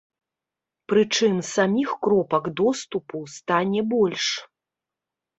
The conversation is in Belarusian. Прычым саміх кропак доступу стане больш.